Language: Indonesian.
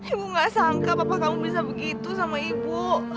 ibu gak sangka bapak kamu bisa begitu sama ibu